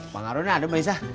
bang harun ada mbak isah